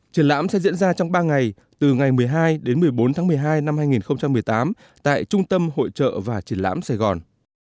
triển lãm sẽ diễn ra trong ba ngày từ ngày một mươi hai đến một mươi bốn tháng một mươi hai năm hai nghìn một mươi tám tại trung tâm hội trợ và triển lãm sài gòn